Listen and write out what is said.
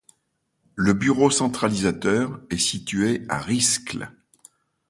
Le bureau centralisateur est situé à Riscle.